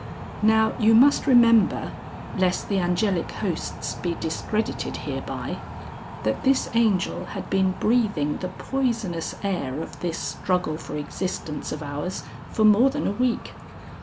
(Now you must remember lest the Angelic Hosts be discredited hereby that this Angel had been breathing the poisonous air of this Struggle for Existence of ours for more than a week.